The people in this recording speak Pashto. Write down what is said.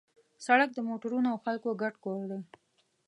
سړک د موټرونو او خلکو ګډ کور دی.